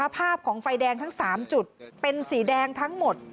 ภาพของไฟแดงทั้ง๓จุดเป็นสีแดงทั้งหมด